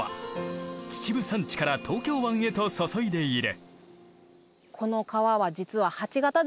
秩父山地から東京湾へと注いでいる。